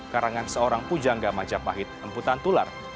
karangan seorang pujangga majapahit emputan tular